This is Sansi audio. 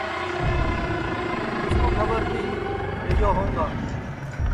کِس کُو کھٻر تی کہ یو ہؤں گا